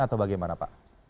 atau bagaimana pak